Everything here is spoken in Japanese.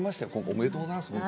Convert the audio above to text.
おめでとうございます。